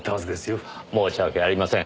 申し訳ありません。